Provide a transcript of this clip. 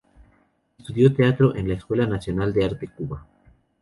Estudió Teatro en la Escuela Nacional de Arte, Cuba.